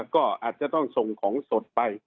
ก็อาจจะต้องส่งของสดไป